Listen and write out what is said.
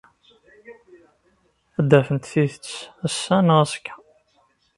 Ad d-afent tidet ass-a neɣ azekka.